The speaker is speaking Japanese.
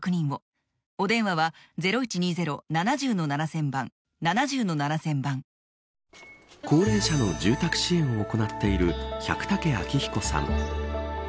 さらに今月から高齢者の住宅支援を行っている百武昭彦さん。